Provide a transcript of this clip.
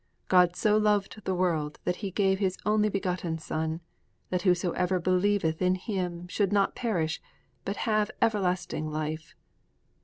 _God so loved the world that He gave His only begotten Son that whosoever believeth in Him should not perish but have everlasting life.